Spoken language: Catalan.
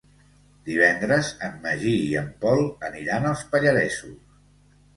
Divendres en Magí i en Pol aniran als Pallaresos.